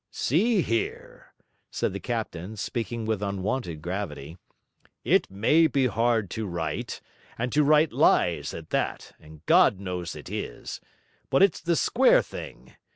'See here,' said the captain, speaking with unwonted gravity; 'it may be hard to write, and to write lies at that; and God knows it is; but it's the square thing.